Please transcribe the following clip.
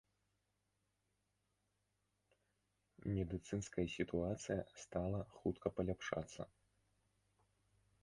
Медыцынская сітуацыя стала хутка паляпшацца.